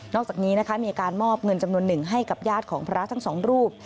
อกจากนี้นะคะมีการมอบเงินจำนวนหนึ่งให้กับญาติของพระทั้งสองรูป